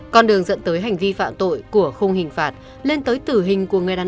con đường dẫn tới hành vi phạm tội của không hình phạt lên tới tử hình của người đàn ông